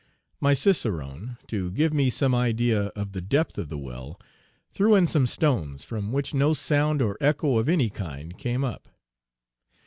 My cicerone, to give me some idea of the depth of the well, threw in some stones, from which no sound or echo of any kind came up.